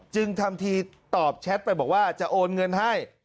ทำทีตอบแชทไปบอกว่าจะโอนเงินให้